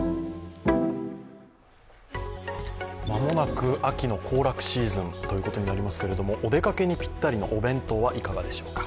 間もなく秋の行楽シーズンということになりますけれども、お出かけにぴったりのお弁当はいかがでしょうか？